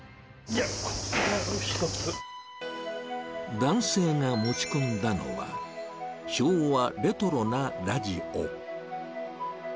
男性が持ち込んだのは、昭和レトロなラジオ。